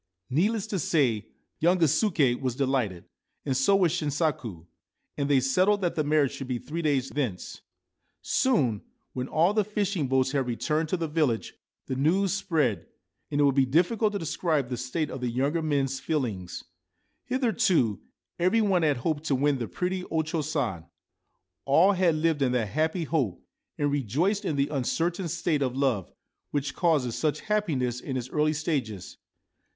1 Needless to say, young Gisuke was delighted, and so was Shinsaku ; and they settled that the marriage should be three days thence. Soon, when all the fishing boats had returned to the village, the news spread ; and it would be difficult to des cribe the state of the younger men's feelings. Hitherto every one had hoped to win the pretty O Cho San ; all had lived in that happy hope, and rejoiced in the uncertain state of love, which causes such happiness in its early stages.